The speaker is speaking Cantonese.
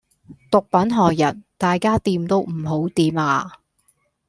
毒品害人，大家掂都唔好掂呀！